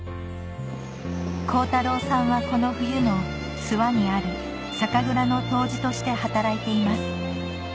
恒太朗さんはこの冬も諏訪にある酒蔵の杜氏として働いています